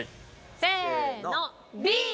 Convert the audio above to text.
せの。